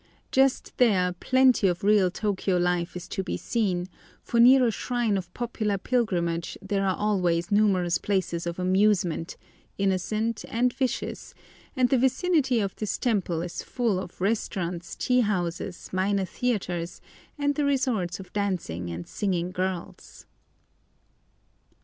Just there plenty of real Tôkiyô life is to be seen, for near a shrine of popular pilgrimage there are always numerous places of amusement, innocent and vicious, and the vicinity of this temple is full of restaurants, tea houses, minor theatres, and the resorts of dancing and singing girls.